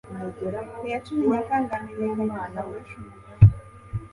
Ku ya cumi Nyakanga, hamenyekanye umugabo wishe umugore